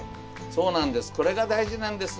そうなんです